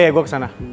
ya gue kesana